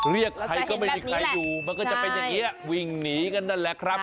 เรียกใครก็ไม่ได้ใครดูมันก็จะไปเงี๊ยะวิ่งหนีกันนั่นแหละครับ